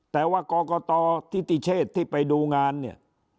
แต่ว่ากรกตทิติเชษที่ไปดูงานเนี่ย